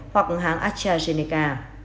hoặc hãng astrazeneca